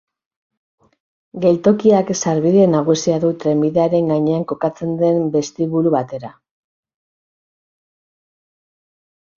Geltokiak sarbide nagusia du trenbidearen gainean kokatzen den bestibulu batera.